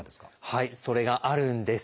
はいそれがあるんです。